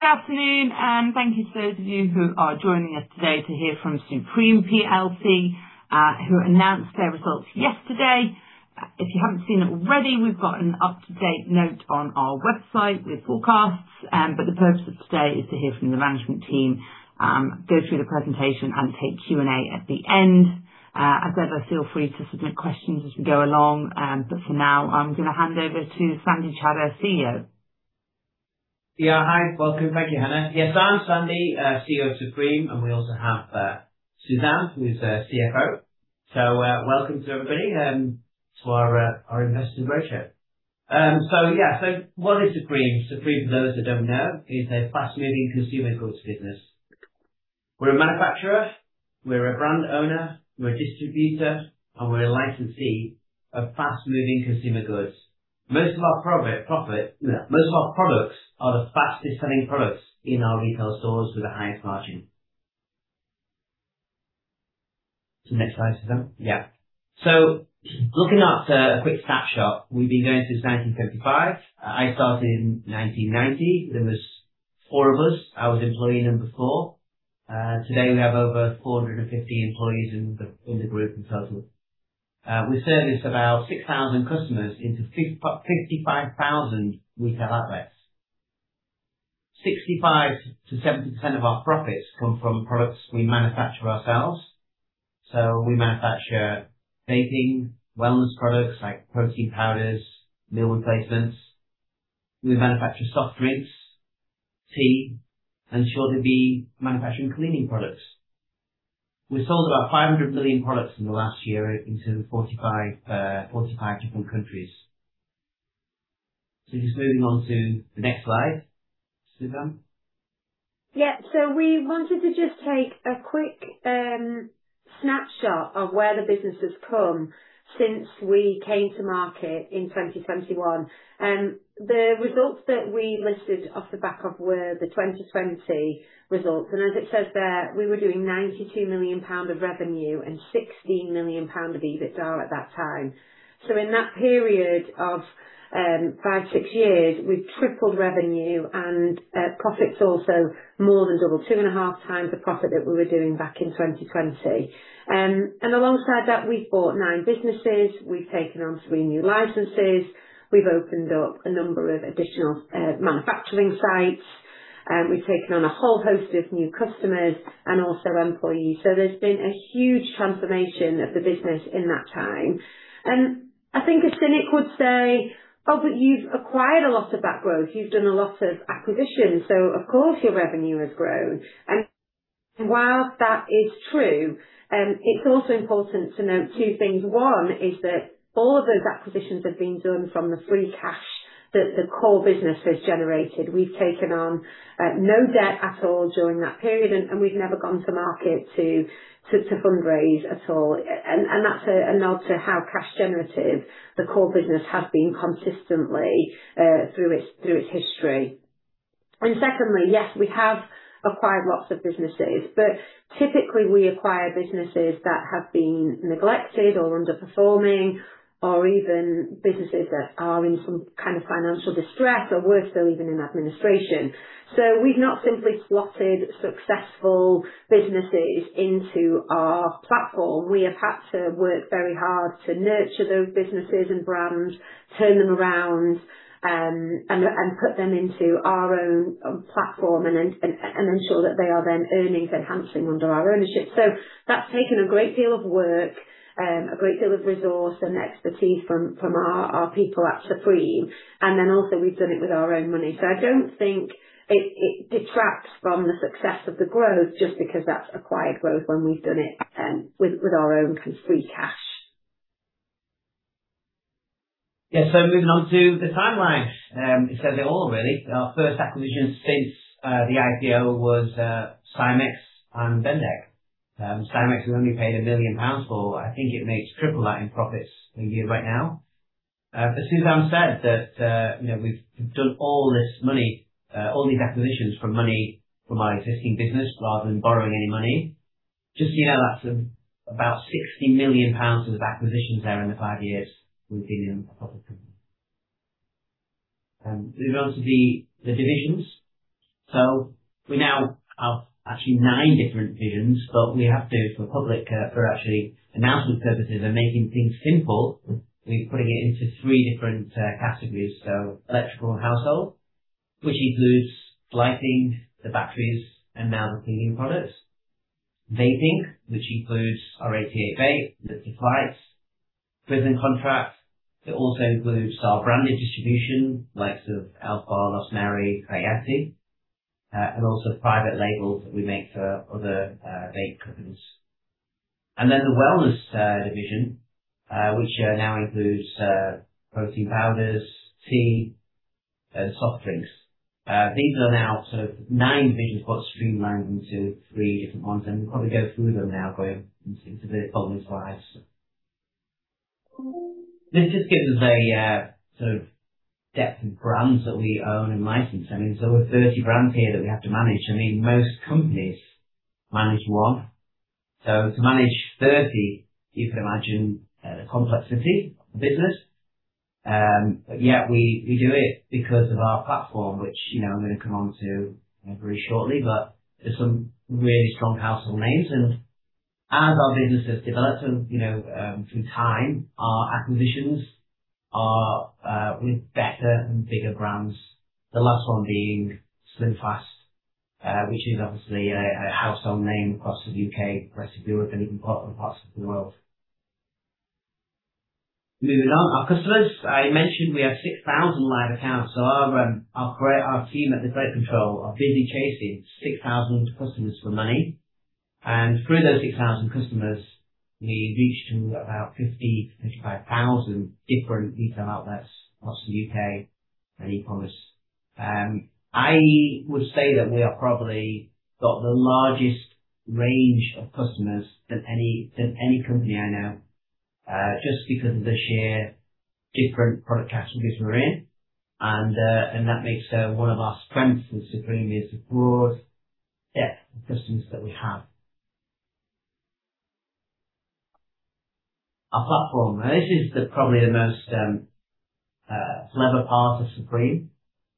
Good afternoon. Thank you to those of you who are joining us today to hear from Supreme PLC, who announced their results yesterday. If you haven't seen it already, we've got an up-to-date note on our website with forecasts. The purpose of today is to hear from the management team, go through the presentation, and take Q&A at the end. As ever, feel free to submit questions as we go along. For now, I'm going to hand over to Sandy Chadha, CEO. Yeah. Hi. Welcome. Thank you, Hannah. Yes, I'm Sandy, CEO of Supreme, and we also have Suzanne, who's our CFO. Welcome to everybody, to our investor roadshow. Yeah, what is Supreme? Supreme, for those that don't know, is a fast-moving consumer goods business. We're a manufacturer, we're a brand owner, we're a distributor, and we're a licensee of fast-moving consumer goods. Most of our products are the fastest-selling products in our retail stores with the highest margin. To the next slide, Suzanne. Yeah. Looking at a quick snapshot. We've been going since 1975. I started in 1990. There was four of us. I was employee number four. Today, we have over 450 employees in the group in total. We service about 6,000 customers into 55,000 retail outlets. 65%-70% of our profits come from products we manufacture ourselves. We manufacture vaping, wellness products like protein powders, meal replacements. We manufacture soft drinks, tea, and shortly, we'll be manufacturing cleaning products. We sold about 500 million products in the last year into 45 different countries. Just moving on to the next slide, Suzanne. Yeah. We wanted to just take a quick snapshot of where the business has come since we came to market in 2021. The results that we listed off the back of were the 2020 results. As it says there, we were doing 92 million pound of revenue and 16 million pound of EBITDA at that time. In that period of five, six years, we've tripled revenue and profits also more than double, two and a half times the profit that we were doing back in 2020. Alongside that, we've bought nine businesses, we've taken on three new licenses, we've opened up a number of additional manufacturing sites, we've taken on a whole host of new customers and also employees. There's been a huge transformation of the business in that time. I think a cynic would say, "Oh, you've acquired a lot of that growth. You've done a lot of acquisitions, of course, your revenue has grown." While that is true, it's also important to note two things. One is that all those acquisitions have been done from the free cash that the core business has generated. We've taken on no debt at all during that period, and we've never gone to market to fundraise at all. That's a nod to how cash-generative the core business has been consistently, through its history. Secondly, yes, we have acquired lots of businesses, but typically, we acquire businesses that have been neglected or underperforming or even businesses that are in some kind of financial distress, or worse, they're even in administration. We've not simply slotted successful businesses into our platform. We have had to work very hard to nurture those businesses and brands, turn them around, and put them into our own platform and ensure that they are then earning and enhancing under our ownership. That's taken a great deal of work, a great deal of resource and expertise from our people at Supreme. Also we've done it with our own money. I don't think it detracts from the success of the growth just because that's acquired growth when we've done it with our own free cash. Moving on to the timeline. It says it all really. Our first acquisition since the IPO was Cimex and Vendek. Cimex, we only paid 1 million pounds for. I think it makes triple that in profits a year right now. As Suzanne said that we've done all these acquisitions from money from our existing business rather than borrowing any money. Just so you know, that's about 60 million pounds of acquisitions there in the five years we've been a public company. Moving on to the divisions. We now have actually nine different divisions, but we have to, for public, for actually announcement purposes and making things simple, we're putting it into three different categories. Electrical and household, which includes lighting, the batteries, and now the cleaning products. Vaping, which includes our 88Vape, Liberty Flights, prison contracts. It also includes our branded distribution likes of Elf Bar, Lost Mary, Hayati, and also private labels that we make for other vape companies. The wellness division, which now includes protein powders, tea, and soft drinks. These are now nine divisions, but streamlined into three different ones, and we'll probably go through them now for you in some of the following slides. This just gives us a sort of depth of brands that we own and license. I mean, we have 30 brands here that we have to manage. Most companies manage one. To manage 30, you can imagine the complexity of the business. Yeah, we do it because of our platform, which I'm going to come onto very shortly. There's some really strong household names, and as our business has developed through time, our acquisitions are with better and bigger brands, the last one being SlimFast, which is obviously a household name across the U.K., across Europe, and in parts of the world. Our customers, I mentioned we have 6,000 live accounts, so our team at the credit control are busy chasing 6,000 customers for money. Through those 6,000 customers, we reach about 50 to 55,000 different retail outlets across the U.K. and EU premise. I would say that we have probably got the largest range of customers than any company I know, just because of the sheer different product categories we're in. That makes one of our strengths in Supreme is the broad depth of customers that we have. Our platform, this is probably the most clever part of Supreme,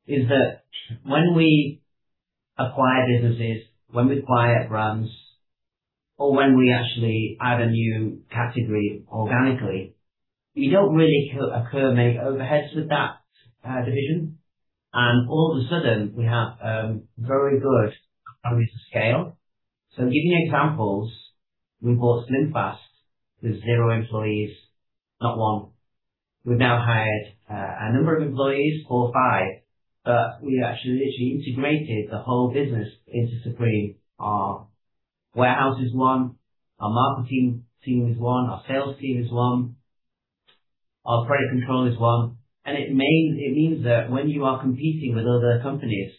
is that when we acquire businesses, when we acquire brands, or when we actually add a new category organically, you don't really incur overheads with that division, all of a sudden we have very good economies of scale. Giving examples, we bought SlimFast with zero employees, not one. We've now hired a number of employees, four or five, but we actually literally integrated the whole business into Supreme. Our warehouse is one, our marketing team is one, our sales team is one, our credit control is one. It means that when you are competing with other companies,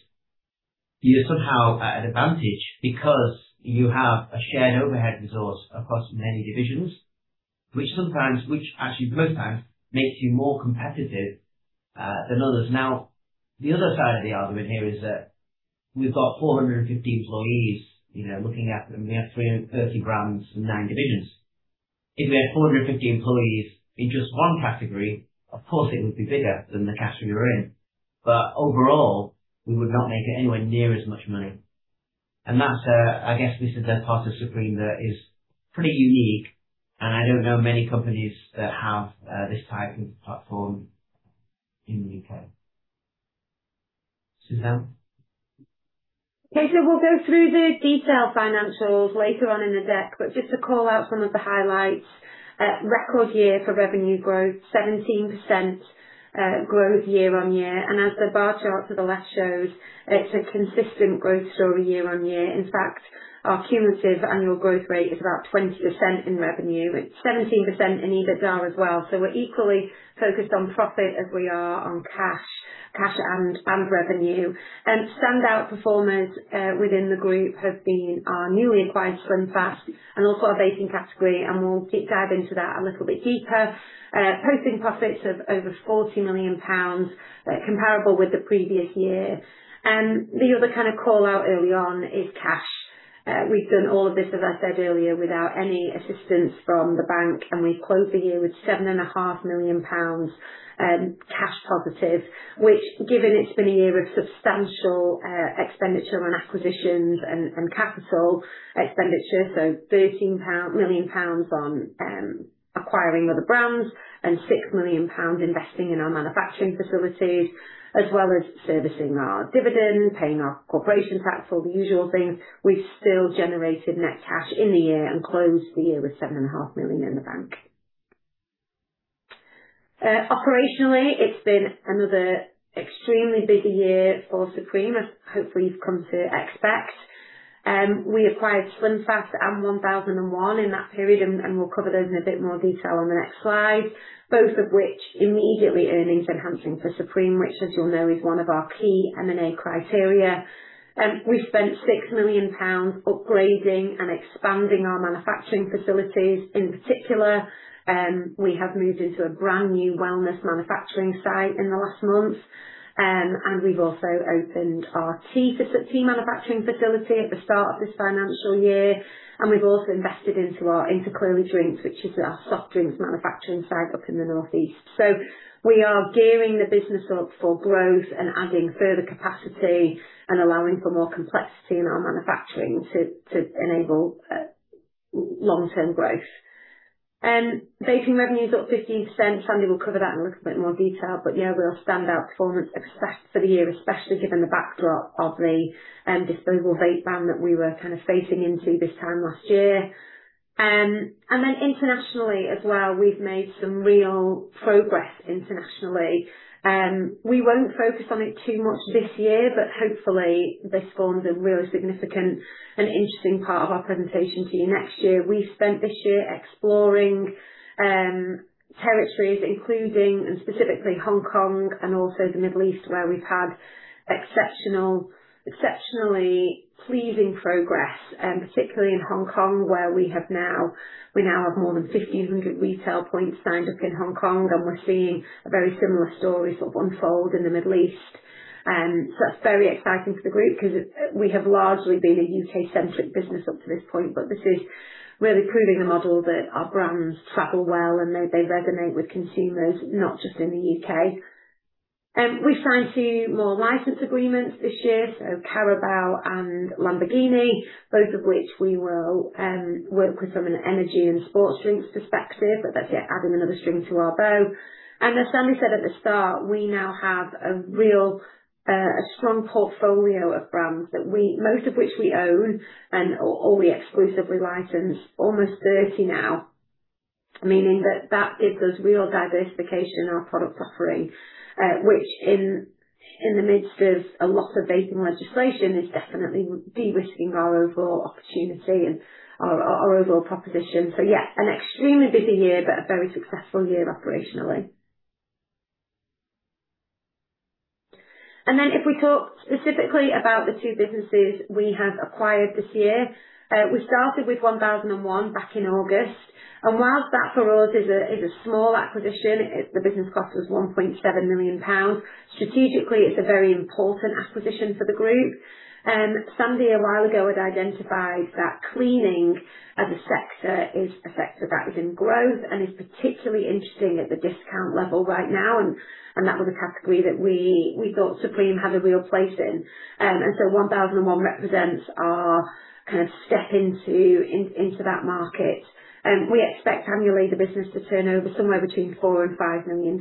you're somehow at an advantage because you have a shared overhead resource across many divisions, which actually most times makes you more competitive than others. The other side of the argument here is that we've got 450 employees, looking at them, we have 30 brands and nine divisions. If we had 450 employees in just one category, of course it would be bigger than the category we're in. Overall, we would not make anywhere near as much money. I guess this is the part of Supreme that is pretty unique, I don't know many companies that have this type of platform in the U.K. Suzanne? We'll go through the detailed financials later on in the deck, just to call out some of the highlights. Record year for revenue growth, 17% growth year-over-year. As the bar chart to the left shows, it's a consistent growth story year-over-year. In fact, our cumulative annual growth rate is about 20% in revenue. It's 17% in EBITDA as well. We're equally focused on profit as we are on cash and revenue. Standout performers within the group have been our newly acquired SlimFast and also our vaping category, we'll deep dive into that a little bit deeper. Posting profits of over 40 million pounds comparable with the previous year. The other call-out early on is cash. We've done all of this, as I said earlier, without any assistance from the bank. We've closed the year with 7.5 million pounds cash positive, which given it's been a year of substantial expenditure on acquisitions and capital expenditure, so 13 million pound on acquiring other brands and 6 million pounds investing in our manufacturing facilities as well as servicing our dividend, paying our corporation tax, all the usual things, we've still generated net cash in the year and closed the year with 7.5 million in the bank. Operationally, it's been another extremely busy year for Supreme, as hopefully you've come to expect. We acquired SlimFast and 1001 in that period, and we'll cover those in a bit more detail on the next slide, both of which immediately earnings enhancing for Supreme, which as you'll know, is one of our key M&A criteria. We've spent 6 million pounds upgrading and expanding our manufacturing facilities. In particular, we have moved into a brand-new wellness manufacturing site in the last month. We've also opened our tea manufacturing facility at the start of this financial year. We've also invested into our Clearly Drinks, which is our soft drinks manufacturing site up in the northeast. We are gearing the business up for growth and adding further capacity and allowing for more complexity in our manufacturing to enable long-term growth. Vaping revenue is up 50%. Sandy will cover that in a little bit more detail. Yeah, we are stand out performance success for the year, especially given the backdrop of the disposable vape ban that we were facing into this time last year. Internationally as well, we've made some real progress internationally. We won't focus on it too much this year, but hopefully this forms a really significant and interesting part of our presentation to you next year. We've spent this year exploring territories including and specifically Hong Kong and also the Middle East, where we've had exceptionally pleasing progress, and particularly in Hong Kong, where we now have more than 1,500 retail points signed up in Hong Kong. We're seeing a very similar story sort of unfold in the Middle East. That's very exciting for the group because we have largely been a U.K.-centric business up to this point. But this is really proving a model that our brands travel well and they resonate with consumers, not just in the U.K. We signed two more license agreements this year, so Carabao and Lamborghini, both of which we will work with from an energy and sports drinks perspective. That's yet adding another string to our bow. As Sandy said at the start, we now have a real strong portfolio of brands, most of which we own and all we exclusively license, almost 30 now. Meaning that gives us real diversification in our product offering, which in the midst of lots of vaping legislation, is definitely de-risking our overall opportunity and our overall proposition. Yeah, an extremely busy year, but a very successful year operationally. If we talk specifically about the two businesses we have acquired this year, we started with 1001 back in August. Whilst that for us is a small acquisition, the business cost us 1.7 million pounds. Strategically, it's a very important acquisition for the group. Sandy, a while ago, had identified that cleaning as a sector, is a sector that is in growth and is particularly interesting at the discount level right now, and that was a category that we thought Supreme had a real place in. 1001 represents our kind of step into that market. We expect annually the business to turn over somewhere between 4 million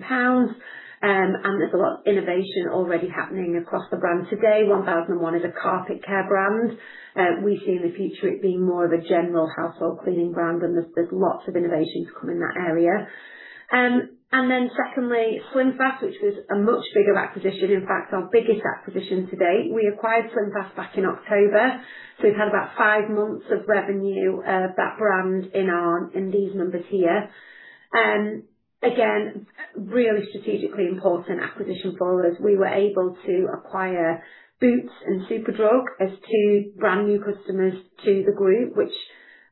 and 5 million pounds, there's a lot of innovation already happening across the brand. Today, 1001 is a carpet care brand. We see in the future it being more of a general household cleaning brand, there's lots of innovation to come in that area. Secondly, SlimFast, which was a much bigger acquisition, in fact, our biggest acquisition to date. We acquired SlimFast back in October, so we've had about five months of revenue of that brand in these numbers here. Again, really strategically important acquisition for us. We were able to acquire Boots and Superdrug as two brand-new customers to the group, which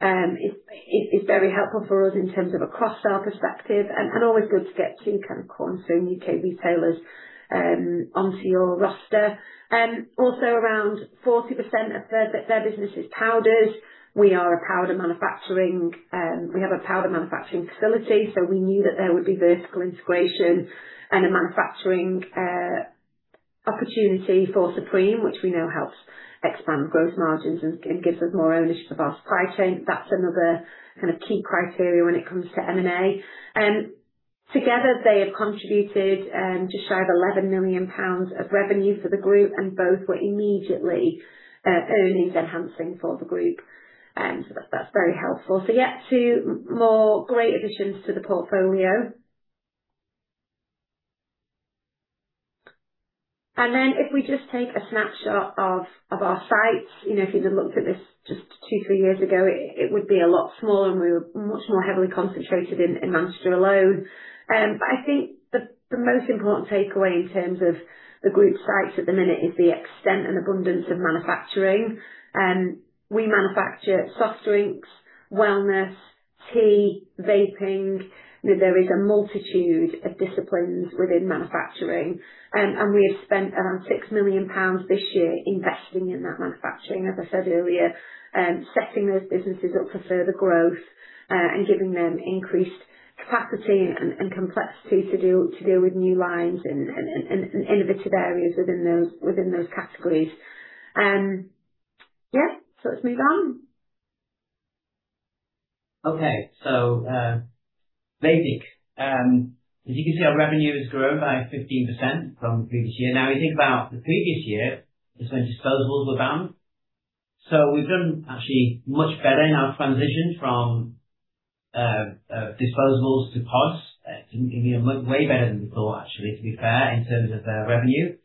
is very helpful for us in terms of a cross-sell perspective and always good to get two kind of consuming U.K. retailers onto your roster. Also, around 40% of their business is powders. We have a powder manufacturing facility, so we knew that there would be vertical integration and a manufacturing opportunity for Supreme, which we know helps expand growth margins and gives us more ownership of our supply chain. That's another kind of key criteria when it comes to M&A. Together, they have contributed just shy of 11 million pounds of revenue for the group, both were immediately earnings-enhancing for the group. That's very helpful. Yeah, two more great additions to the portfolio. If we just take a snapshot of our sites, if you'd have looked at this just two, three years ago, it would be a lot smaller, we were much more heavily concentrated in Manchester alone. I think the most important takeaway in terms of the group sites at the minute is the extent and abundance of manufacturing. We manufacture soft drinks, wellness, tea, vaping. There is a multitude of disciplines within manufacturing, we have spent around 6 million pounds this year investing in that manufacturing. As I said earlier, setting those businesses up for further growth, giving them increased capacity and complexity to deal with new lines and innovative areas within those categories. Yeah, let's move on. Okay. Vaping. As you can see, our revenue has grown by 15% from the previous year. Now, if you think about the previous year, it's when disposables were banned. We've done actually much better in our transition from disposables to pods, way better than we thought, actually, to be fair, in terms of the revenue.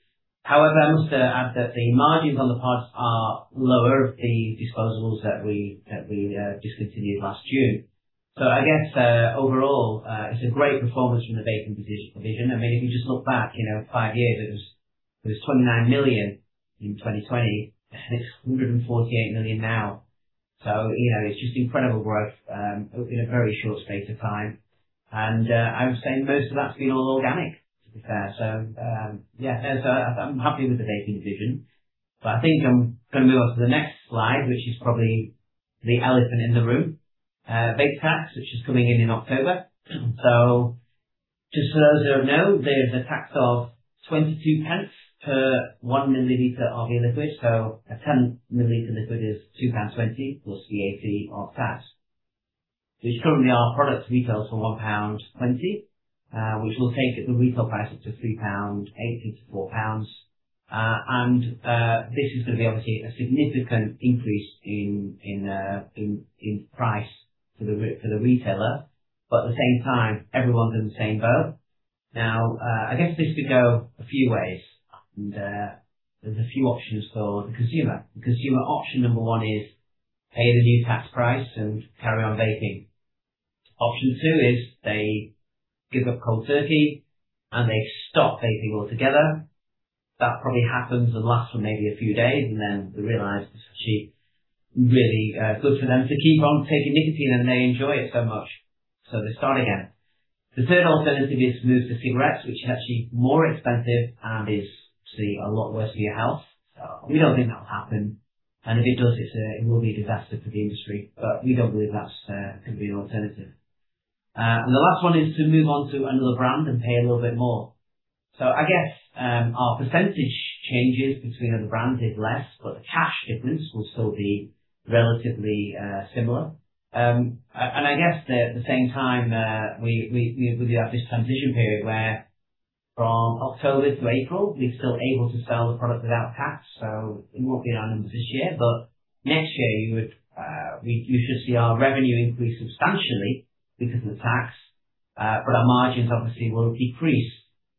However, I must add that the margins on the pods are lower of the disposables that we discontinued last June. I guess, overall, it's a great performance from the vaping division. If you just look back five years, it was 29 million in 2020, it's 148 million now. It's just incredible growth in a very short space of time. I would say most of that's been all organic, to be fair. Yeah, I'm happy with the vaping division. I think I'm going to move on to the next slide, which is probably the elephant in the room, vape tax, which is coming in in October. Just for those who don't know, there's a tax of 0.22 per one milliliter of e-liquid, so a 10-milliliter liquid is 2.20 pounds plus VAT or tax, which currently our product retails for 1.20 pound, which will take the retail price up to 3.80-4 pound. This is going to be obviously a significant increase in price for the retailer, but at the same time, everyone's in the same boat. I guess this could go a few ways, and there's a few options for the consumer. The consumer option number one is pay the new tax price and carry on vaping. Option two is they give up cold turkey, and they stop vaping altogether. That probably happens and lasts for maybe a few days, and then they realize it's actually really good for them to keep on taking nicotine, and they enjoy it so much, so they start again. The third alternative is to move to cigarettes, which is actually more expensive and is obviously a lot worse for your health. We don't think that will happen, and if it does, it will be a disaster for the industry. We don't believe that could be an alternative. The last one is to move on to another brand and pay a little bit more. I guess our percentage changes between other brands is less, but the cash difference will still be relatively similar. I guess at the same time, we have this transition period where from October to April, we are still able to sell the product without tax, so it will not be in our numbers this year, but next year, you should see our revenue increase substantially because of the tax, but our margins obviously will decrease.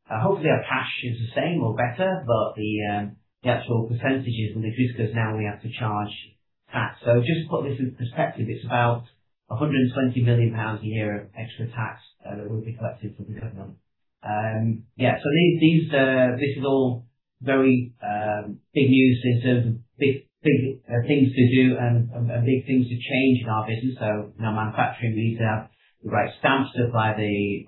Hopefully, our cash is the same or better, but the actual percentages will reduce because now we have to charge tax. Just to put this into perspective, it's about 120 million pounds a year of extra tax that will be collected for the government. This is all very big news, in terms of big things to do and big things to change in our business. In our manufacturing, we need to have the right stamps to apply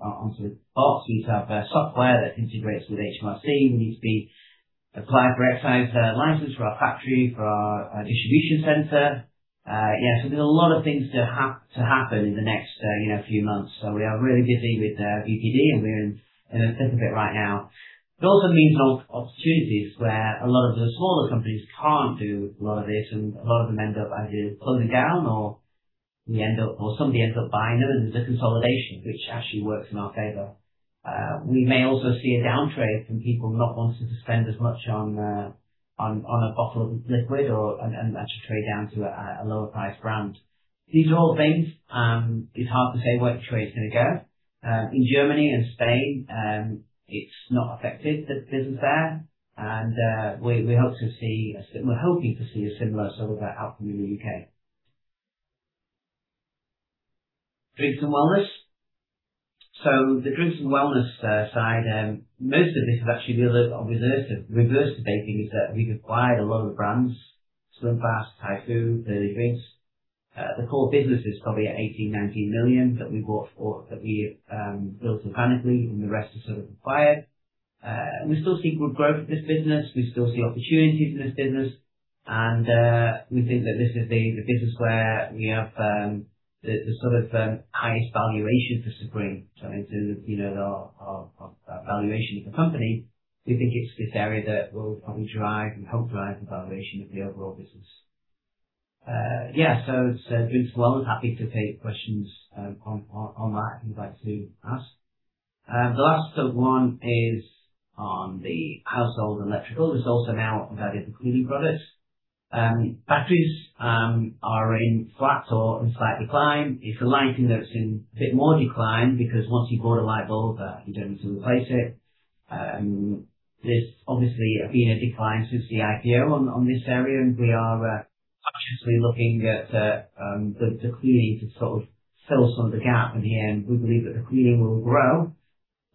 onto the box. We need to have software that integrates with HMRC. We need to apply for an excise license for our factory, for our distribution center. There is a lot of things to happen in the next few months. We are really busy with VPD, and we are in the thick of it right now. It also means opportunities where a lot of the smaller companies cannot do a lot of this, and a lot of them end up either closing down or somebody ends up buying them, and there is a consolidation, which actually works in our favor. We may also see a downtrade from people not wanting to spend as much on a bottle of liquid and actually trade down to a lower priced brand. These are all things, it is hard to say which way it is going to go. In Germany and Spain, it's not affected the business there, and we're hoping to see a similar sort of outcome in the U.K. Drinks and wellness. The drinks and wellness side, most of this is actually reverse vaping, is that we've acquired a lot of brands, SlimFast, Typhoo, Clearly Drinks. The core business is probably at 18 million, 19 million that we built organically, and the rest is acquired. We still see good growth in this business. We still see opportunities in this business, and we think that this is the business where we have the highest valuation for Supreme. In terms of our valuation of the company, we think it's this area that will probably drive and help drive the valuation of the overall business. Yeah. Drinks and wellness, happy to take questions on that if you'd like to ask. The last one is on the household and electrical. This also now includes the cleaning products. Batteries are in flat or in slight decline. If you're lighting, though, it's in a bit more decline because once you've bought a light bulb, you don't need to replace it. There's obviously been a decline since the IPO on this area, and we are cautiously looking at the cleaning to fill some of the gap at the end. We believe that the cleaning will grow,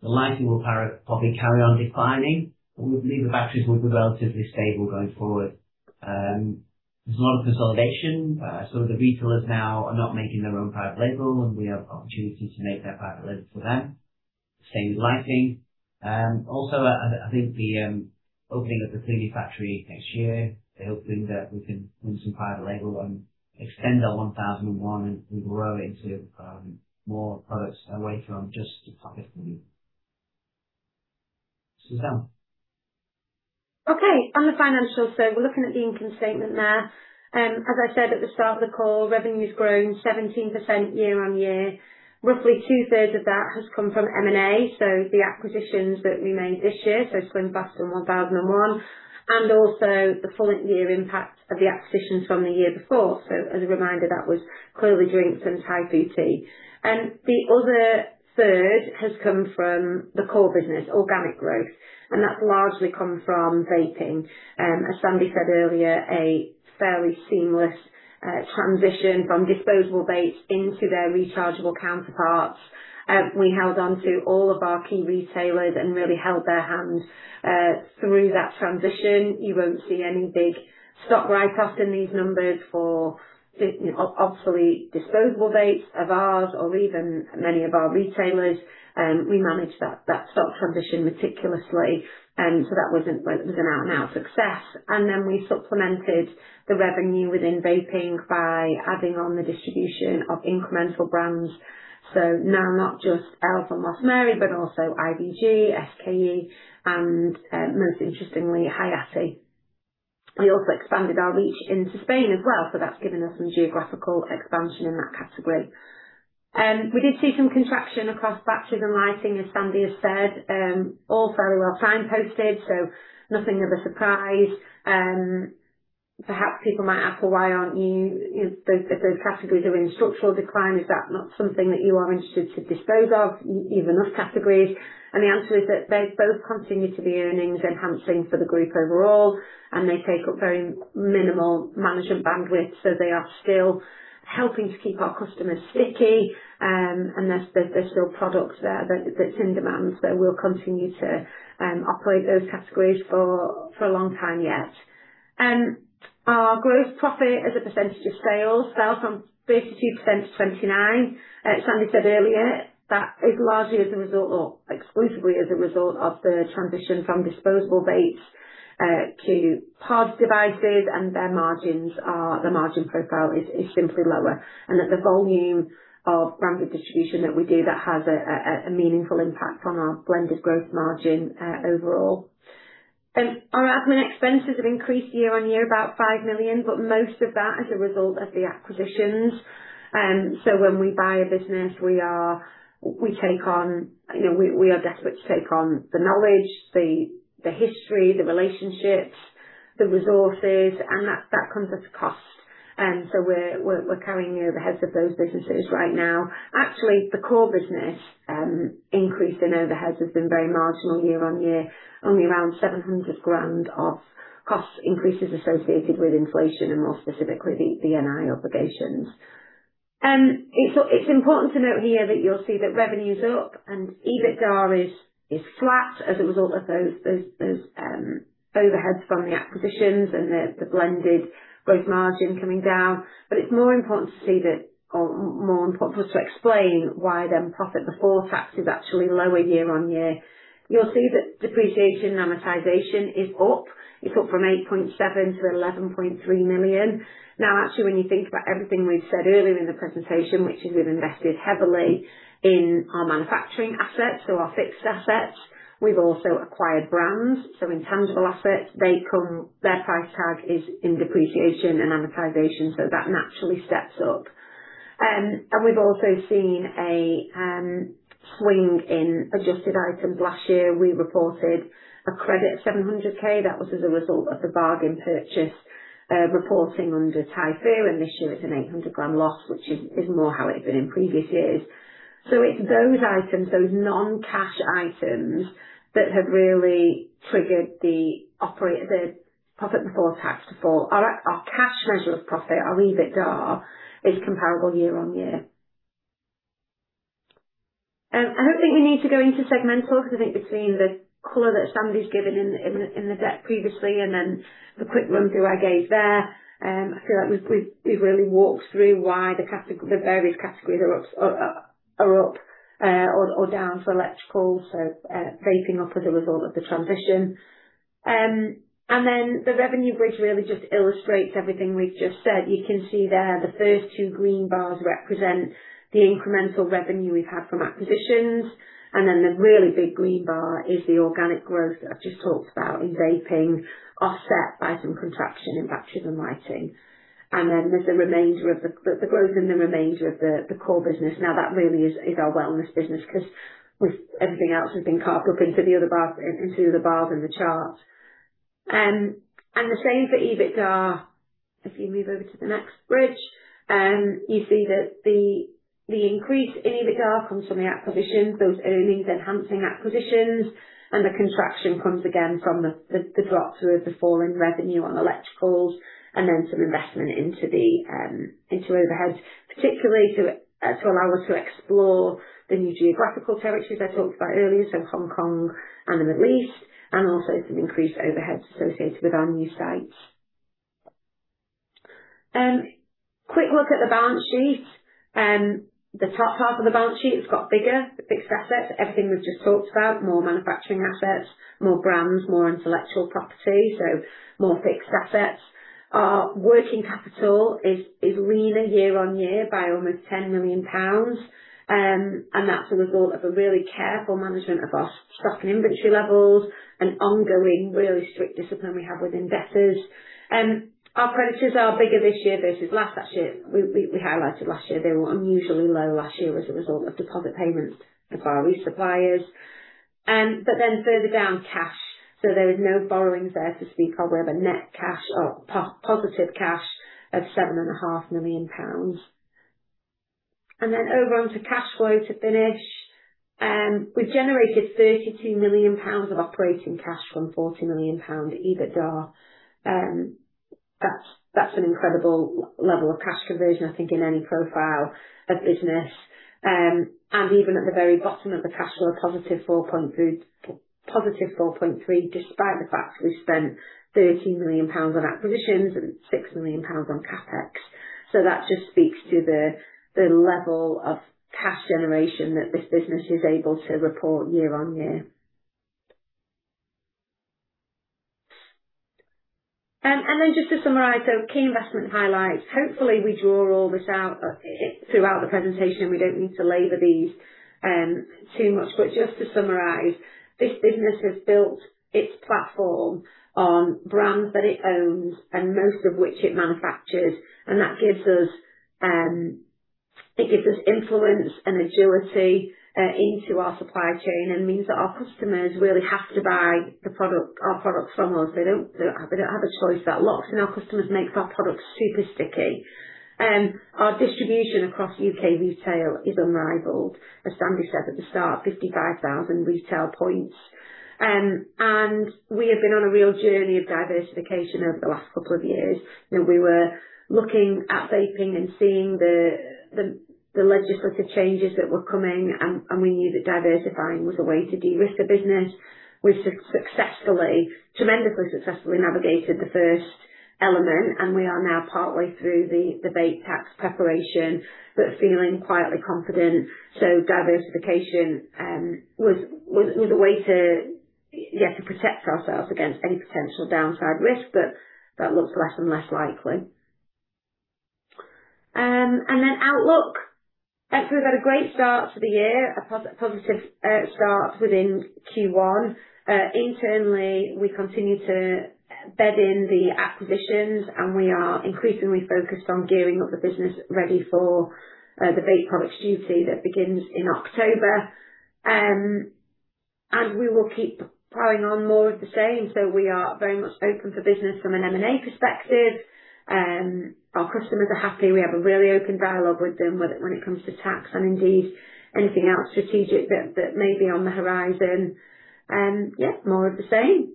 the lighting will probably carry on declining, and we believe the batteries will be relatively stable going forward. There's a lot of consolidation. The retailers now are not making their own private label, and we have opportunity to make that private label for them. Same with lighting. Also, I think the opening of the cleaning factory next year, the hope being that we can do some private label and extend our 1001 and grow into more products later on, just to Suzanne. Okay, on the financials, we're looking at the income statement there. As I said at the start of the call, revenue's grown 17% year-over-year. Roughly two-thirds of that has come from M&A, the acquisitions that we made this year, SlimFast and 1001, and also the full year impact of the acquisitions from the year before. As a reminder, that was Clearly Drinks and Typhoo Tea. The other third has come from the core business, organic growth, and that's largely come from vaping. As Sandy said earlier, a fairly seamless transition from disposable vapes into their rechargeable counterparts. We held onto all of our key retailers and really held their hand through that transition. You won't see any big stock write-offs in these numbers for obsolete disposable vapes of ours or even many of our retailers. We managed that stock transition meticulously. That was an out and out success. We supplemented the revenue within vaping by adding on the distribution of incremental brands. Now not just Elf and Lost Mary, but also IVG, SKE, and most interestingly, Hayati. We also expanded our reach into Spain as well, that's given us some geographical expansion in that category. We did see some contraction across batteries and lighting, as Sandy has said. All fairly well signposted, nothing of a surprise. Perhaps people might ask, well, if those categories are in structural decline, is that not something that you are interested to dispose of, even those categories? The answer is that they both continue to be earnings enhancing for the group overall, and they take up very minimal management bandwidth. They are still helping to keep our customers sticky, and there's still products there that's in demand. We'll continue to operate those categories for a long time yet. Our gross profit as a percentage of sales fell from 32% to 29%. As Sandy said earlier, that is largely as a result of, exclusively as a result of the transition from disposable vapes to pods devices and their margins are, the margin profile is simply lower, and at the volume of branded distribution that we do, that has a meaningful impact on our blended gross margin overall. Our admin expenses have increased year-on-year about 5 million, most of that as a result of the acquisitions. When we buy a business, we are desperate to take on the knowledge, the history, the relationships, the resources, and that comes at a cost. We're carrying the overheads of those businesses right now. Actually, the core business increase in overheads has been very marginal year-on-year, only around 700 grand of cost increases associated with inflation and more specifically, the NI obligations. It's important to note here that you'll see that revenues are up and EBITDA is flat as a result of those overheads from the acquisitions and the blended gross margin coming down. It's more important to see that, or more important for us to explain why then profit before tax is actually lower year-on-year. You'll see that depreciation and amortization is up. It's up from 8.7 million to 11.3 million. Actually, when you think about everything we've said earlier in the presentation, which is we've invested heavily in our manufacturing assets, our fixed assets. We've also acquired brands, intangible assets, their price tag is in depreciation and amortization, that naturally steps up. We've also seen a swing in adjusted items. Last year, we reported a credit of 700k. That was as a result of the bargain purchase reporting under Typhoo, this year it's a 800k loss, which is more how it had been in previous years. It's those items, those non-cash items that have really triggered the profit before tax to fall. Our cash measure of profit, our EBITDA, is comparable year-on-year. I don't think we need to go into segmental because I think between the color that Sandy's given in the deck previously and the quick run through I gave there, I feel like we've really walked through why the various categories are up or down for electrical, vaping up as a result of the transition. The revenue bridge really just illustrates everything we've just said. You can see there the first two green bars represent the incremental revenue we have had from acquisitions. The really big green bar is the organic growth that I have just talked about in vaping, offset by some contraction in batteries and lighting. There is the growth in the remainder of the core business. That really is our wellness business because everything else has been carved up into the other bars in the chart. The same for EBITDA. If you move over to the next bridge, you see that the increase in EBITDA comes from the acquisitions, those earnings enhancing acquisitions. The contraction comes again from the drop through of the foreign revenue on electricals. Some investment into overheads, particularly to allow us to explore the new geographical territories I talked about earlier, so Hong Kong and the Middle East. Also some increased overheads associated with our new sites. Quick look at the balance sheet. The top half of the balance sheet has got bigger, the fixed assets, everything we have just talked about, more manufacturing assets, more brands, more intellectual property, so more fixed assets. Our working capital is leaner year-over-year by almost 10 million pounds, and that is a result of a really careful management of our stock and inventory levels, an ongoing, really strict discipline we have with investors. Our creditors are bigger this year versus last. Actually, we highlighted last year, they were unusually low last year as a result of deposit payments of our suppliers. Further down, cash. There is no borrowings there to speak of. We have a net cash or positive cash of 7.5 million pounds. Over on to cash flow to finish. We generated 32 million pounds of operating cash from 40 million pound EBITDA. That is an incredible level of cash conversion, I think, in any profile of business. Even at the very bottom of the cash flow, positive 4.3 million, despite the fact we spent 13 million pounds on acquisitions and 6 million pounds on CapEx. That just speaks to the level of cash generation that this business is able to report year-over-year. Just to summarize, key investment highlights. Hopefully, we draw all this out throughout the presentation, we do not need to labor these too much. Just to summarize, this business has built its platform on brands that it owns and most of which it manufactures. It gives us influence and agility into our supply chain. It means that our customers really have to buy our products from us. They do not have a choice about locks. Our customers make our products super sticky. Our distribution across U.K. retail is unrivaled. As Sandy said at the start, 55,000 retail points. We have been on a real journey of diversification over the last couple of years. We were looking at vaping and seeing the legislative changes that were coming. We knew that diversifying was a way to de-risk the business. We've successfully, tremendously successfully navigated the first Element, and we are now partway through the vape tax preparation, but feeling quietly confident. Diversification was a way to protect ourselves against any potential downside risk, but that looks less and less likely. Outlook. I'd say we've had a great start to the year, a positive start within Q1. Internally, we continue to bed in the acquisitions, and we are increasingly focused on gearing up the business ready for the Vaping Products Duty that begins in October. We will keep plowing on more of the same. We are very much open for business from an M&A perspective. Our customers are happy. We have a really open dialogue with them when it comes to tax and indeed anything else strategic that may be on the horizon. More of the same.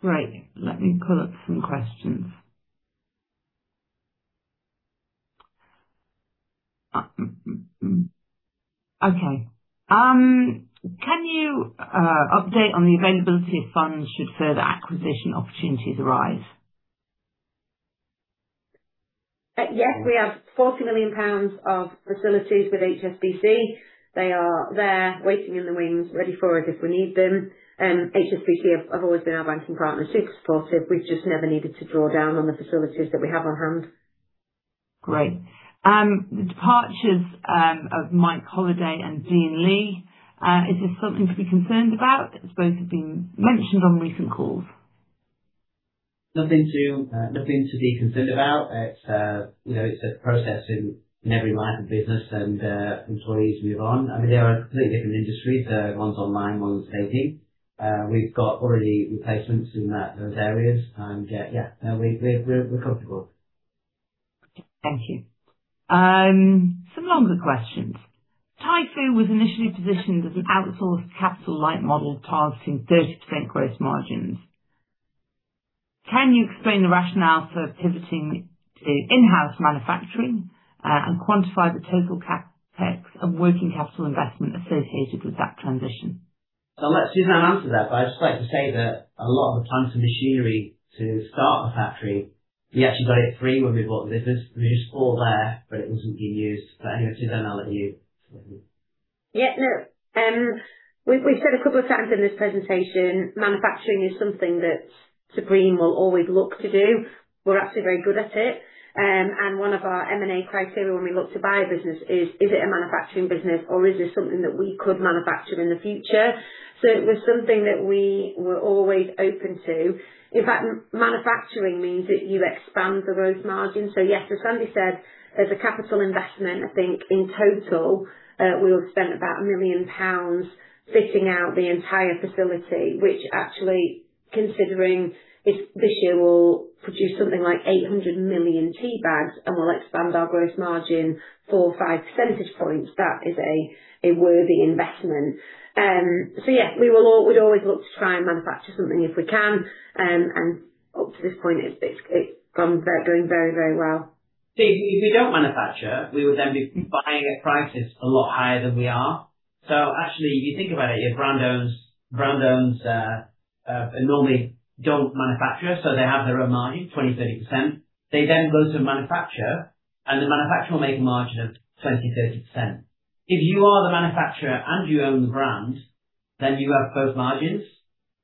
Great. Let me pull up some questions. Okay. Can you update on the availability of funds should further acquisition opportunities arise? Yes. We have 40 million pounds of facilities with HSBC. They are there waiting in the wings, ready for us if we need them. HSBC have always been our banking partner, super supportive. We've just never needed to draw down on the facilities that we have on hand. Great. The departures of Mike Holliday and Dean Lee, is this something to be concerned about, as both have been mentioned on recent calls? Nothing to be concerned about. It's a process in every line of business, employees move on. I mean, they are completely different industries. One's online, one's AV. We've got already replacements in those areas. Yeah, we're comfortable. Thank you. Some longer questions. Typhoo was initially positioned as an outsourced capital-light model targeting 30% gross margins. Can you explain the rationale for pivoting to in-house manufacturing and quantify the total CapEx of working capital investment associated with that transition? I'll let Suzanne answer that, I'd just like to say that a lot of the plants and machinery to start the factory, we actually got it free when we bought the business. It was just all there, it wasn't being used. Anyway, Suzanne, I'll let you take it. Yeah, no. We've said a couple of times in this presentation, manufacturing is something that Supreme will always look to do. We're actually very good at it. One of our M&A criteria when we look to buy a business is it a manufacturing business, or is this something that we could manufacture in the future? It was something that we were always open to. In fact, manufacturing means that you expand the gross margin. Yes, as Sandy said, as a capital investment, I think in total, we would have spent about 1 million pounds fitting out the entire facility. Which actually considering this year we'll produce something like 800 million tea bags and we'll expand our gross margin four or five percentage points, that is a worthy investment. Yeah, we'd always look to try and manufacture something if we can, and up to this point, it's going very, very well. If we don't manufacture, we would then be buying at prices a lot higher than we are. Actually, if you think about it, your brand Normally, they don't manufacture, so they have their own margin, 20%, 30%. They then go to a manufacturer, and the manufacturer will make a margin of 20%, 30%. If you are the manufacturer and you own the brand, then you have both margins.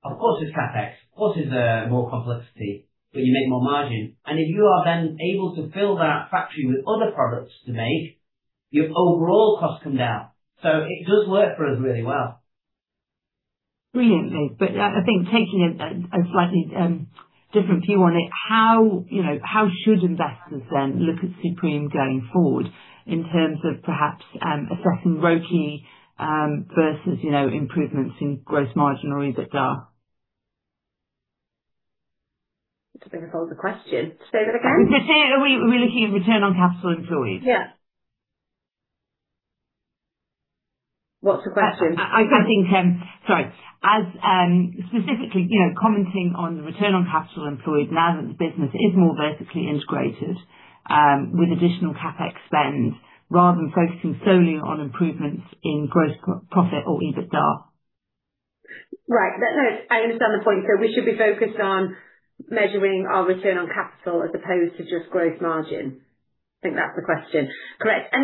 Of course, there's CapEx, of course, there's more complexity, but you make more margin. If you are then able to fill that factory with other products to make, your overall costs come down. It does work for us really well. Brilliant, mate. I think taking a slightly different view on it, how should investors then look at Supreme going forward in terms of perhaps assessing ROCE versus improvements in gross margin or EBITDA? That's a bit of a harder question. Say that again? We're looking at return on capital employed. Yeah. What's the question? Sorry. Specifically commenting on the return on capital employed now that the business is more vertically integrated, with additional CapEx spend, rather than focusing solely on improvements in gross profit or EBITDA. Right. I understand the point. We should be focused on measuring our return on capital as opposed to just gross margin. I think that's the question. Correct.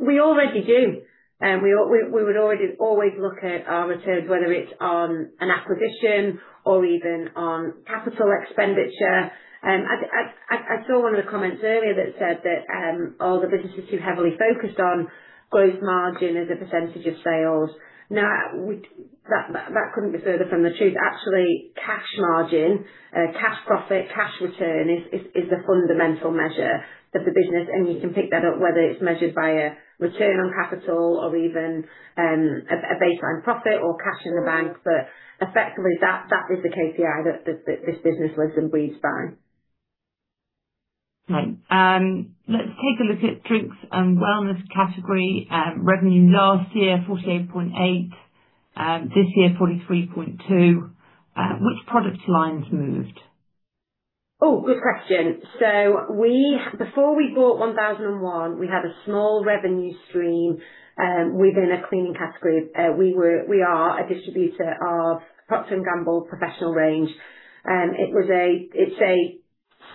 We already do, and we would always look at our returns, whether it's on an acquisition or even on capital expenditure. I saw one of the comments earlier that said that, oh, the business is too heavily focused on gross margin as a percentage of sales. That couldn't be further from the truth. Actually, cash margin, cash profit, cash return is the fundamental measure of the business. You can pick that up whether it's measured by a return on capital or even a baseline profit or cash in the bank. Effectively, that is the KPI that this business lives and breathes by. Right. Let's take a look at drinks and wellness category. Revenue last year, 48.8. This year, 43.2. Which product lines moved? Oh, good question. Before we bought 1001, we had a small revenue stream within a cleaning category. We are a distributor of Procter & Gamble professional range. It's a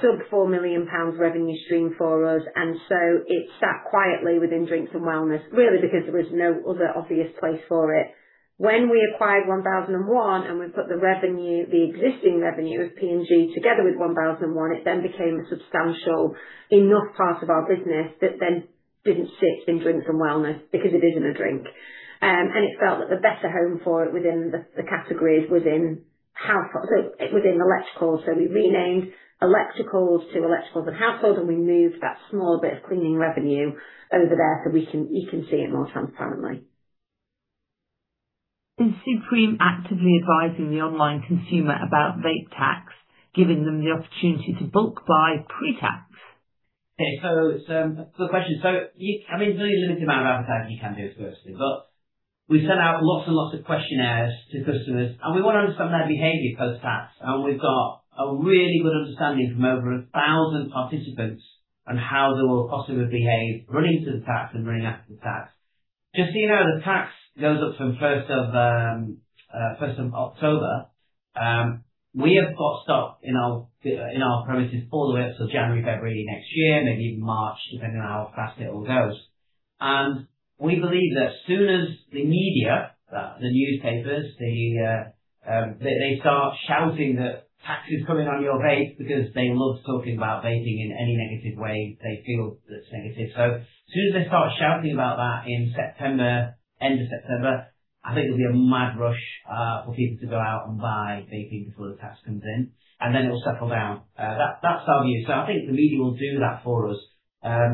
sub 4 million pounds revenue stream for us, it sat quietly within drinks and wellness really because there was no other obvious place for it. When we acquired 1001 and we put the existing revenue of P&G together with 1001, it became a substantial enough part of our business that didn't sit in drinks and wellness because it isn't a drink. It felt that the better home for it within the categories within Electricals. We renamed Electricals to Electricals and Household, we moved that small bit of cleaning revenue over there so you can see it more transparently. Is Supreme actively advising the online consumer about vape tax, giving them the opportunity to bulk buy pre-tax? Okay. Good question. There's only a limited amount of advertising you can do, of course. We sent out lots and lots of questionnaires to customers, we want to understand their behavior post-tax, we've got a really good understanding from over 1,000 participants on how they will possibly behave running to the tax and running after the tax. Just so you know, the tax goes up from 1st of October. We have got stock in our premises all the way up till January, February next year, maybe March, depending on how fast it all goes. We believe that as soon as the media, the newspapers, they start shouting that tax is coming on your vapes because they love talking about vaping in any negative way they feel that's negative. As soon as they start shouting about that in September, end of September, I think there'll be a mad rush for people to go out and buy vaping before the tax comes in, and then it'll settle down. That's our view. I think the media will do that for us.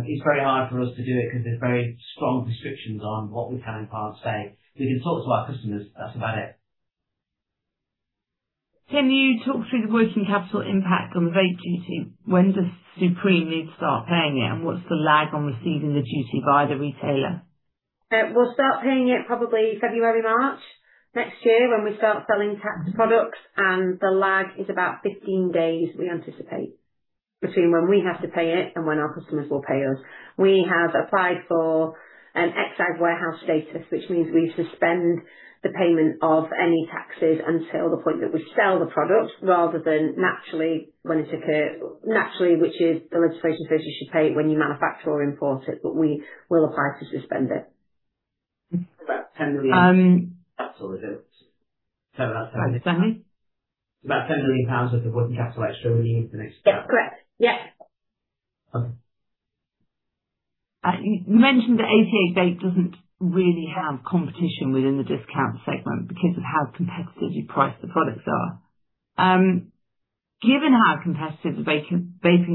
It's very hard for us to do it because there's very strong restrictions on what we can and can't say. We can talk to our customers. That's about it. Can you talk through the working capital impact on the vape duty? When does Supreme need to start paying it, and what's the lag on receiving the duty by the retailer? We'll start paying it probably February, March next year when we start selling taxed products, and the lag is about 15 days, we anticipate, between when we have to pay it and when our customers will pay us. We have applied for an excise warehouse status, which means we suspend the payment of any taxes until the point that we sell the product rather than naturally when it occurs. Naturally, which is the legislation says you should pay it when you manufacture or import it, but we will apply to suspend it. About GBP 10 million. That's all the bills. About GBP 10 million. Sorry, Sandy? About GBP 10 million worth of working capital extra we need for next year. Yeah. Correct. Yeah. Okay. You mentioned that 88Vape doesn't really have competition within the discount segment because of how competitively priced the products are. Given how competitive the vaping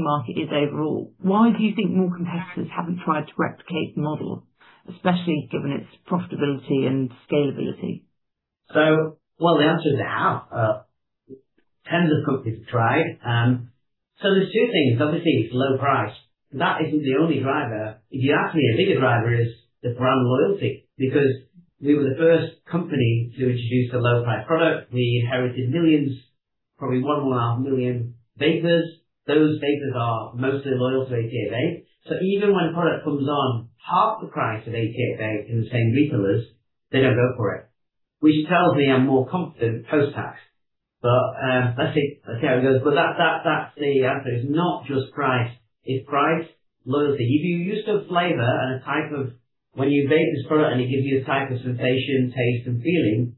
market is overall, why do you think more competitors haven't tried to replicate the model, especially given its profitability and scalability? Well, the answer is they have. Tens of companies have tried. There's two things. Obviously, it's low price. That isn't the only driver. If you ask me, a bigger driver is the brand loyalty, because we were the first company to introduce the low-price product. We inherited millions, probably 1.5 million vapers. Those vapers are mostly loyal to 88Vape. Even when a product comes on half the price of 88Vape from the same retailers, they don't go for it, which tells me I'm more confident post-tax. Let's see how it goes. That's the answer. It's not just price. It's price, loyalty. If you're used to a flavor and a type of when you vape this product and it gives you a type of sensation, taste, and feeling,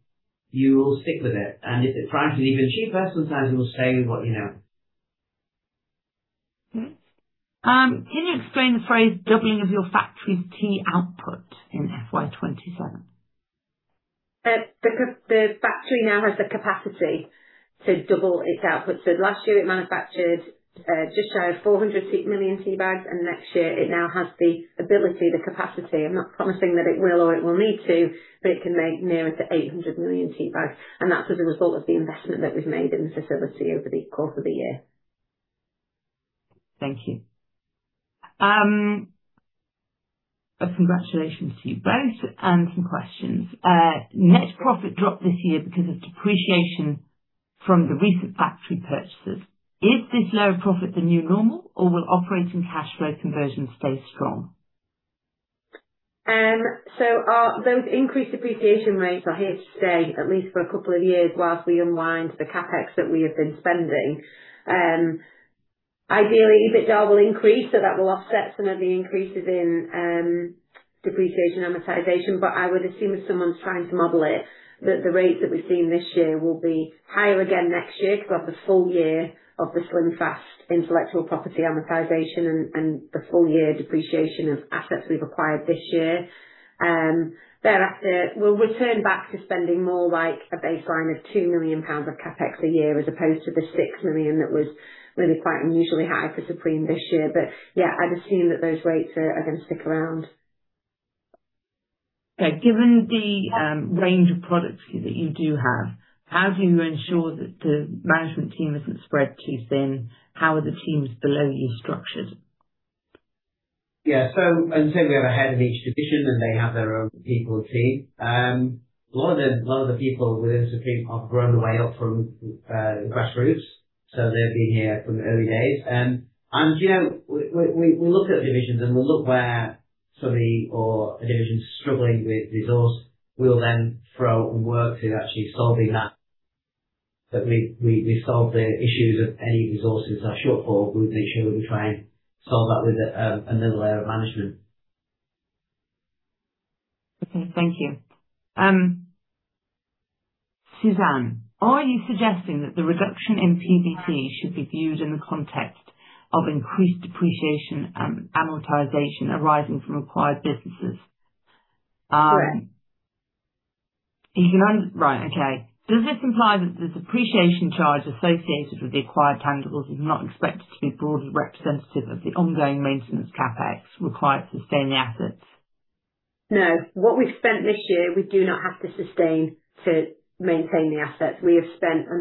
you will stick with it. If the price is even cheaper, sometimes you will stay with what you know. Can you explain the phrase doubling of your factory's tea output in FY 2027? The factory now has the capacity to double its output. Last year it manufactured just shy of 400 million tea bags, and next year it now has the ability, the capacity. I'm not promising that it will or it will need to, but it can make nearer to 800 million tea bags, and that's as a result of the investment that we've made in the facility over the course of the year. Thank you. Congratulations to you both, and some questions. Net profit dropped this year because of depreciation from the recent factory purchases. Is this lower profit the new normal, or will operating cash flow conversion stay strong? Those increased depreciation rates are here to stay at least for a couple of years whilst we unwind the CapEx that we have been spending. Ideally, EBITDA will increase, so that will offset some of the increases in depreciation amortization. I would assume if someone's trying to model it, that the rates that we're seeing this year will be higher again next year because of the full year of the SlimFast intellectual property amortization and the full year depreciation of assets we've acquired this year. Thereafter, we'll return back to spending more like a baseline of 2 million pounds of CapEx a year as opposed to the 6 million that was really quite unusually high for Supreme this year. Yeah, I'd assume that those rates are going to stick around. Okay. Given the range of products that you do have, how do you ensure that the management team isn't spread too thin? How are the teams below you structured? Yeah. As I said, we have a head in each division and they have their own people team. A lot of the people within Supreme have grown their way up from the grassroots, so they've been here from the early days. We look at the divisions, and we look where somebody or a division's struggling with resource, we'll then throw and work to actually solving that. We solve the issues of any resources that are shortfall, we make sure we try and solve that with another layer of management. Okay, thank you. Suzanne, are you suggesting that the reduction in PBT should be viewed in the context of increased depreciation and amortization arising from acquired businesses? Correct. Right, okay. Does this imply that the depreciation charge associated with the acquired tangibles is not expected to be broadly representative of the ongoing maintenance CapEx required to sustain the assets? No. What we've spent this year, we do not have to sustain to maintain the assets. We have spent an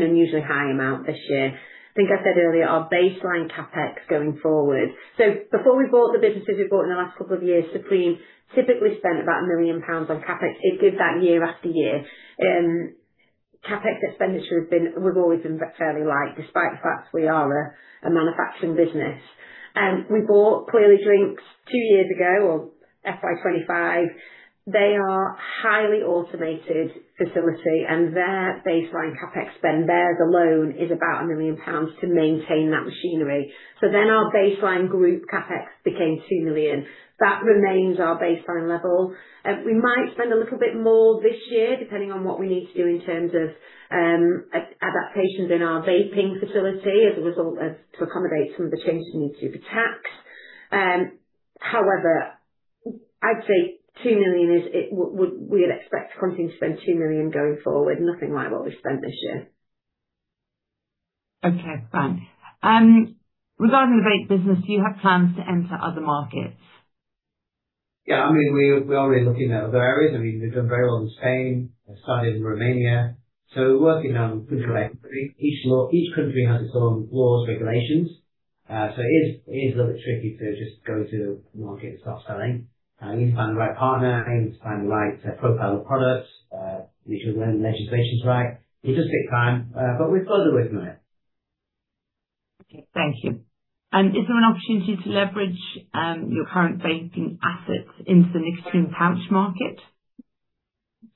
unusually high amount this year. I think I said earlier, our baseline CapEx going forward. Before we bought the businesses we bought in the last couple of years, Supreme typically spent about 1 million pounds on CapEx. It did that year after year. CapEx expenditure we've always been fairly light despite the fact we are a manufacturing business. We bought Clearly Drinks two years ago on FY 2025. They are a highly automated facility, and their baseline CapEx spend, theirs alone, is about 1 million pounds to maintain that machinery. Our baseline group CapEx became 2 million. That remains our baseline level. We might spend a little bit more this year depending on what we need to do in terms of adaptations in our vaping facility as a result of, to accommodate some of the changes we need to do for tax. However, I'd say 2 million, we'd expect the company to spend 2 million going forward. Nothing like what we've spent this year. Okay, fine. Regarding the vape business, do you have plans to enter other markets? Yeah, we're already looking at other areas. We've done very well in Spain. We've started in Romania. We're working on country by country. Each country has its own laws and regulations. It is a little bit tricky to just go to market and start selling. You need to find the right partner, you need to find the right profile of products, make sure the legislation's right. It does take time, but we've got the rhythm now. Okay, thank you. Is there an opportunity to leverage your current vaping assets into the nicotine pouch market?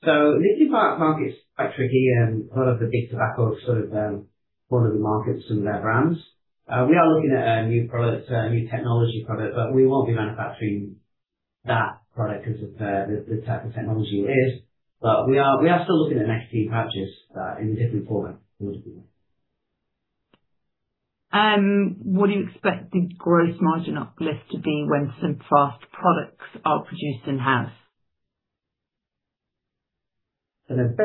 Nicotine pouch market is quite tricky. A lot of the big tobacco sort of own the markets and their brands. We are looking at a new product, a new technology product, we won't be manufacturing that product because of the type of technology it is. We are still looking at nicotine pouches in a different format. What do you expect the gross margin uplift to be when SlimFast products are produced in-house? Hello- 5%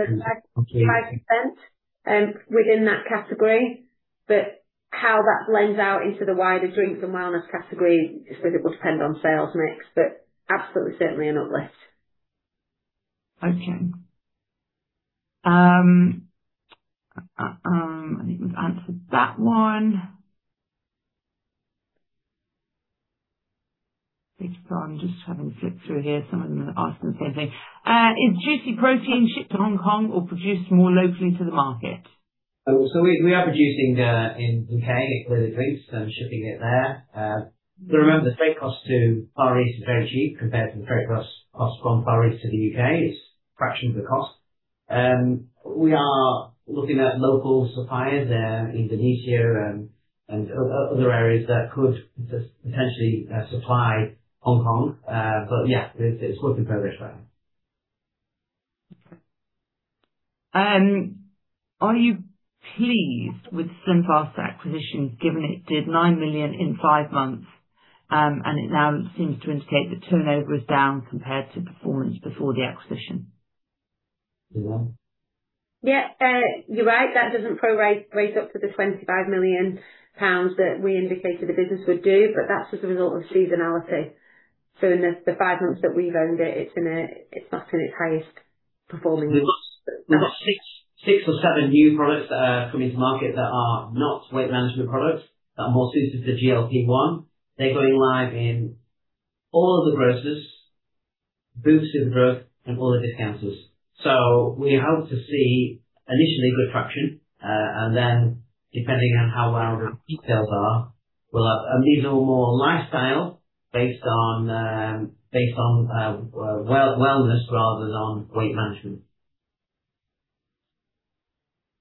within that category, how that blends out into the wider drinks and wellness category, it will depend on sales mix, absolutely certainly an uplift. Okay. I think we've answered that one. Please go on. I'm just having a flip through here. Some of them are asking the same thing. Is Juicy Protein shipped to Hong Kong or produced more locally to the market? We are producing in U.K. with the drinks and shipping it there. Remember, the freight cost to Far East is very cheap compared to the freight cost from Far East to the U.K. It's a fraction of the cost. We are looking at local suppliers there in Indonesia and other areas that could potentially supply Hong Kong. Yeah, it's work in progress there. Okay. Are you pleased with the SlimFast acquisition given it did 9 million in 5 months, and it now seems to indicate the turnover is down compared to performance before the acquisition? Suzanne? Yeah. You're right, that doesn't rate up to the 25 million pounds that we indicated the business would do, but that's as a result of seasonality. In the five months that we've owned it's not in its highest performing- We've got six or seven new products that are coming to market that are not weight management products, that are more suited to the GLP-1. They're going live in all of the grocers, Boots and Superdrug, and all the discounters. We hope to see initially good traction, and then depending on how well the details are, and these are more lifestyle based on wellness rather than on weight management.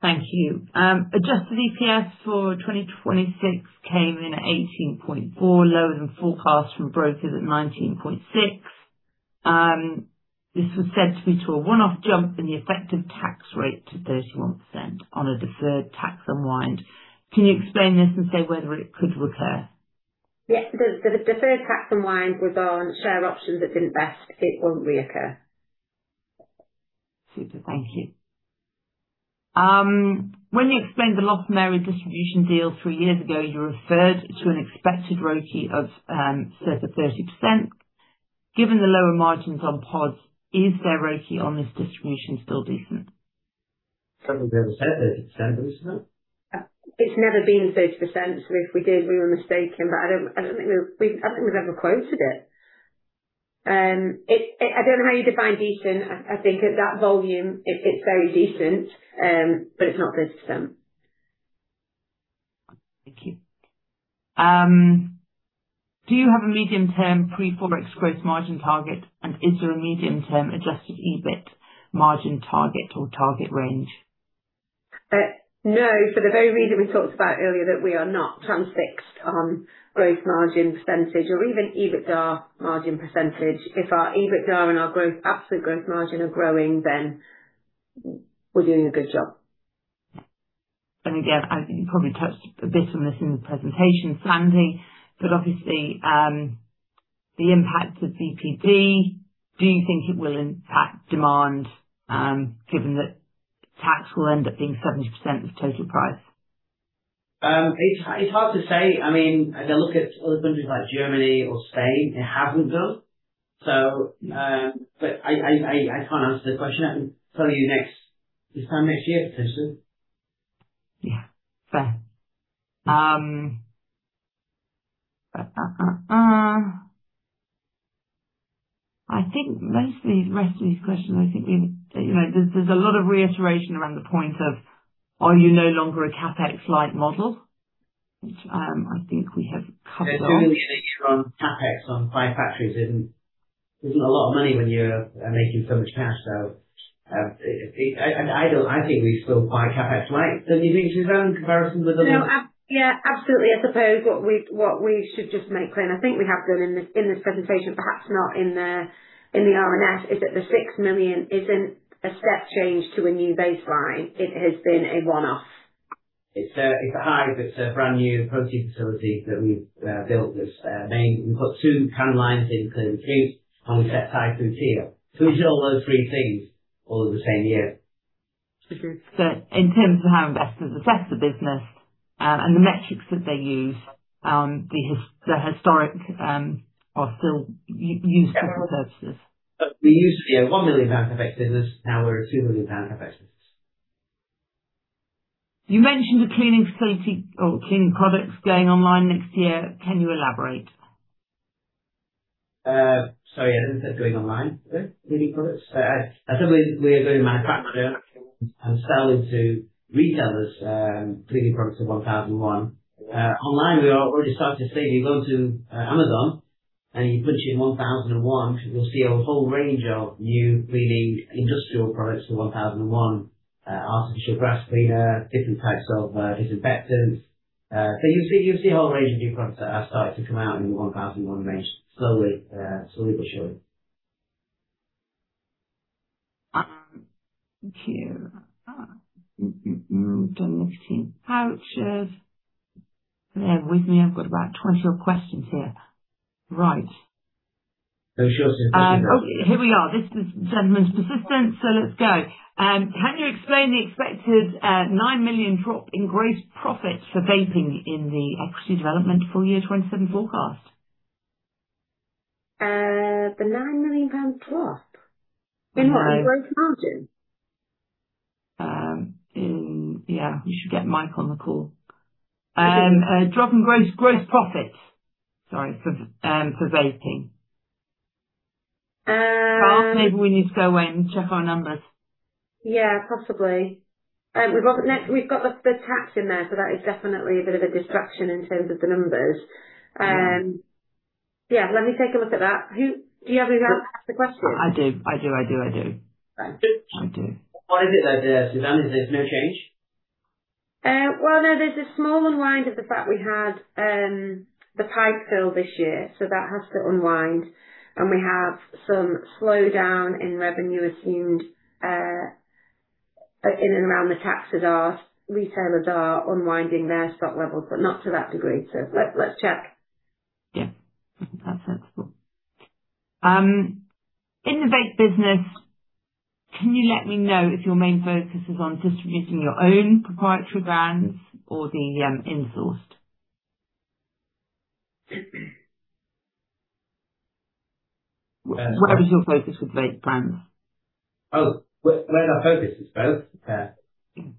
Thank you. Adjusted EPS for 2026 came in at 18.4, lower than forecast from brokers at 19.6. This was said to be to a one-off jump in the effective tax rate to 31% on a deferred tax unwind. Can you explain this and say whether it could recur? Yes. The deferred tax unwind was on share options that didn't vest. It won't reoccur. Super, thank you. When you explained the Lost Mary distribution deal three years ago, you referred to an expected ROI of 30%. Given the lower margins on pods, is their ROI on this distribution still decent? Something we ever said that it's 30%? It's never been 30%. If we did, we were mistaken, but I don't think we've ever quoted it. I don't know how you define decent. I think at that volume, it's very decent, but it's not 30%. Thank you. Do you have a medium-term pre-Forex gross margin target, and is there a medium-term adjusted EBIT margin target or target range? No. For the very reason we talked about earlier that we are not transfixed on gross margin percentage or even EBITDA margin percentage. If our EBITDA and our absolute gross margin are growing, we're doing a good job. Again, you probably touched a bit on this in the presentation, Sandy. Obviously, the impact of VPD, do you think it will impact demand, given that tax will end up being 70% of the total price? It's hard to say. I look at other countries like Germany or Spain, it hasn't done. I can't answer the question. I can tell you this time next year. Yeah. Fair. I think most of these, the rest of these questions, there's a lot of reiteration around the point of, are you no longer a CapEx-light model? Which I think we have covered off. GBP 2 million each on CapEx on five factories isn't a lot of money when you're making so much cash. I think we're still quite CapEx-light. Don't you think, Suzanne, in comparison with other- No. Yeah, absolutely. I suppose what we should just make clear, and I think we have done in this presentation, perhaps not in the RNS, is that the 6 million isn't a step change to a new baseline. It has been a one-off. It's The Hive. It's a brand-new protein facility that we've built. We put two can lines in cleaning products, and we set Tide through Tia. We did all those three things all in the same year. That's true. In terms of how investors assess the business and the metrics that they use, the historic are still used for purposes. We used to be a 1 million pound CapEx business. Now we're a 2 million pound CapEx business. You mentioned the cleaning facility or cleaning products going online next year. Can you elaborate? Sorry, I didn't say going online with cleaning products. I said we are going to manufacture and sell into retailers cleaning products with 1001. Online, we are already starting to see if you go to Amazon and you punch in 1001, you'll see a whole range of new cleaning industrial products for 1001 artificial grass cleaner, different types of disinfectants. You'll see a whole range of new products that have started to come out in the 1001 range slowly but surely. Thank you. Done this team. Pouches. With me, I've got about 20 odd questions here. Right. I'm sure it says persistent. Here we are. This says most persistent, let's go. Can you explain the expected 9 million drop in gross profits for vaping in the Equity Development FY 2027 forecast? The 9 million pound drop? In what? In gross margin? Yeah. We should get Mike on the call. Drop in gross profits. Sorry. For vaping. Perhaps maybe we need to go away and check our numbers. Yeah, possibly. We've got the tax in there, that is definitely a bit of a distraction in terms of the numbers. Yeah. Yeah. Let me take a look at that. Do you have the answer to the question? I do. Right. I do. Why is it that, Suzanne? Is it no change? No, there's a small unwind of the fact we had the pipe fill this year, so that has to unwind, and we have some slowdown in revenue assumed in and around the taps as our retailers are unwinding their stock levels, but not to that degree. Let's check. That's sensible. In the vape business, can you let me know if your main focus is on distributing your own proprietary brands or the in-sourced? Whatever your focus with vape brands. Well, our focus is both. Should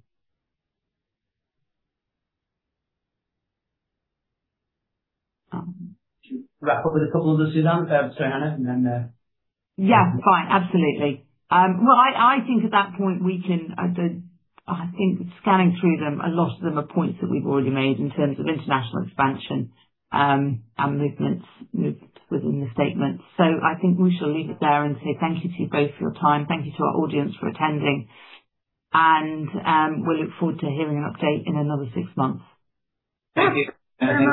we wrap up with a couple of those, Suzanne, and then- Fine. Absolutely. I think at that point scanning through them, a lot of them are points that we've already made in terms of international expansion and movements within the statement. I think we shall leave it there and say thank you to you both for your time. Thank you to our audience for attending. We look forward to hearing an update in another six months. Thank you.